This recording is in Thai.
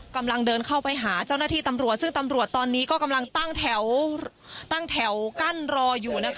กำลังเดินเข้าไปหาเจ้าหน้าที่ตำรวจซึ่งตำรวจตอนนี้ก็กำลังตั้งแถวตั้งแถวกั้นรออยู่นะคะ